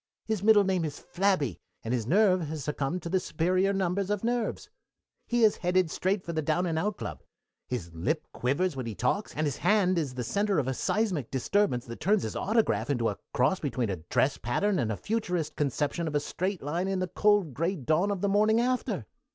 His middle name is Flabby, and his nerve has succumbed to the superior numbers of nerves. "He is headed straight for the Down and Out Club. His lip quivers when he talks, and his hand is the center of a seismic disturbance that turns his autograph into a cross between a dress pattern and a futurist conception of a straight line in the cold gray dawn of the morning after.